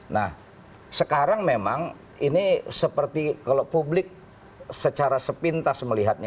nah sekarang memang ini seperti kalau publik secara sepintas melihatnya